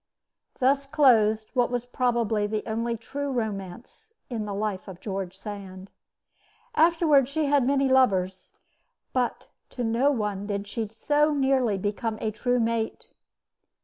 Thus closed what was probably the only true romance in the life of George Sand. Afterward she had many lovers, but to no one did she so nearly become a true mate.